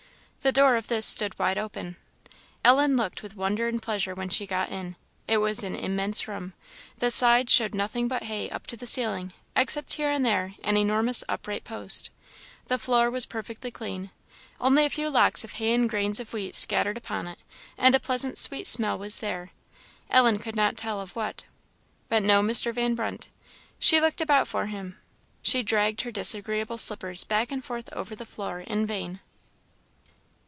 The door of this stood wide open. Ellen looked with wonder and pleasure when she got in. It was an immense room the sides showed nothing but hay up to the ceiling, except here and there an enormous upright post; the floor was perfectly clean, only a few locks of hay and grains of wheat scattered upon it; and a pleasant sweet smell was there, Ellen could not tell of what. But no Mr. Van Brunt. She looked about for him, she dragged her disagreeable slippers back and forth over the floor, in vain.